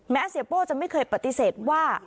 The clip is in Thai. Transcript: เสียโป้จะไม่เคยปฏิเสธว่า